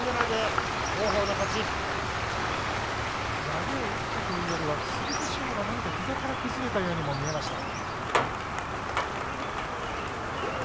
投げを打ったというよりも剣翔が膝から崩れていったように見えました。